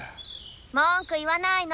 文句言わないの。